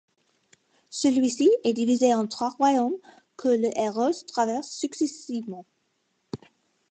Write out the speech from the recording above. Celui-ci est divisé en trois royaumes que le héros traverse successivement.